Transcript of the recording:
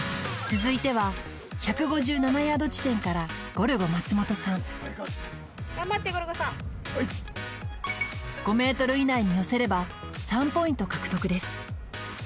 続いては１５７ヤード地点からゴルゴ松本さん頑張ってゴルゴさん５ｍ以内に寄せれば３ポイント獲得です